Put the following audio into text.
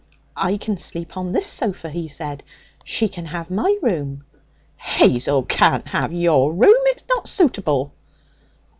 'I can sleep on this sofa,' he said. 'She can have my room.' 'Hazel can't have your room. It's not suitable.'